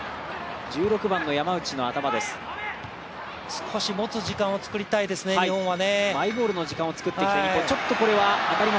少し持つ時間を作りたいですね、日本は。